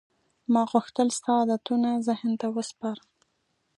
ما غوښتل ستا عادتونه ذهن ته وسپارم.